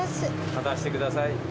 勝たしてください。